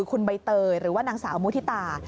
คุณใบเตยหรือว่านางสาวมุฒิตา